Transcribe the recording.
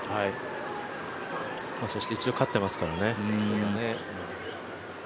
そして一度勝ってますからね。